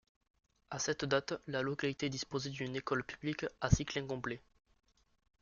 À cette date la localité disposait d'une école publique à cycle incomplet.